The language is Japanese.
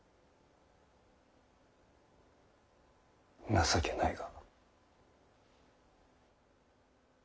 情けないが。